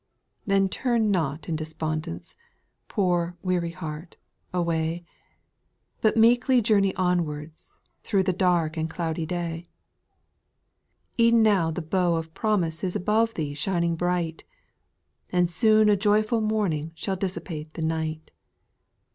G. Then turn not in despondence, poor weary heart, away. But ir.eekly journey onwards, through the dark and cloudy day ; E'en now the bow of promise is above thee shining bright. And soon a joyful morning shall dissipate the night.